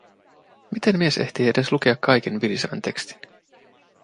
Miten mies ehtii edes lukea kaiken vilisevän tekstin?